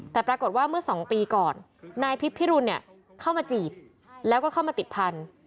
แต่ปรากฏว่าเมื่อ๒ปีก่อนนายพิษพิรุณเนี่ยเข้ามาจีบแล้วก็เข้ามาติดพันธุ